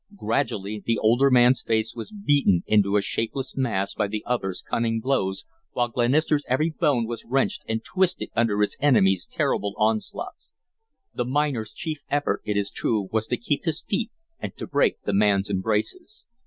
Gradually the older man's face was beaten into a shapeless mass by the other's cunning blows, while Glenister's every bone was wrenched and twisted under his enemy's terrible onslaughts. The miner's chief effort, it is true, was to keep his feet and to break the man's embraces.